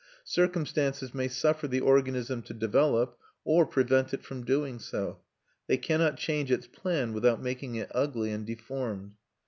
Circumstances may suffer the organism to develop, or prevent it from doing so; they cannot change its plan without making it ugly and deformed.